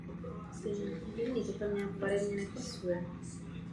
Nahrávka s názvem "Requiem for a Tower" byla vytvořena speciálně pro trailer.